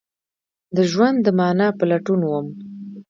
د ژوند د معنی په لټون وم